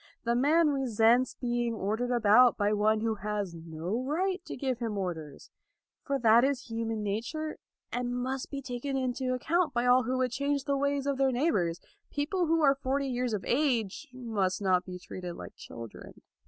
The man resents being ordered about by one who has no right to give him orders. For that is human nature, and must be taken into account by all who would change the ways of their neighbors. People who are forty years of age must not be treated like children.